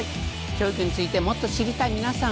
教育についてもっと知りたい皆さん。